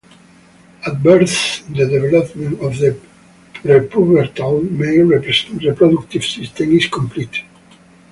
At birth, the development of the prepubertal male reproductive system is completed.